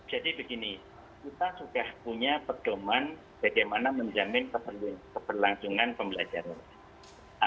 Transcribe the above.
jadi begini kita sudah punya pekeman bagaimana menjamin keberlangsungan pembelajaran